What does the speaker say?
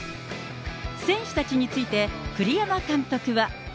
選手たちについて、栗山監督は。